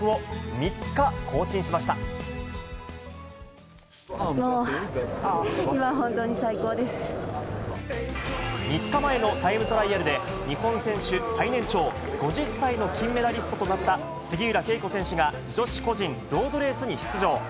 ３日前のタイムトライアルで、日本選手最年長、５０歳の金メダリストとなった杉浦佳子選手が、女子個人ロードレースに出場。